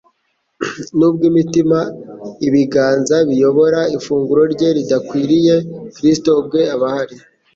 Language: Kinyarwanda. Nubwo imitima u'ibiganza biyobora ifunguro ryera bidakwiriye, Kristo ubwe aba ahari.